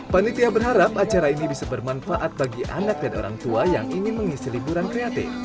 panitia berharap acara ini bisa bermanfaat bagi anak dan orang tua yang ingin mengisi liburan kreatif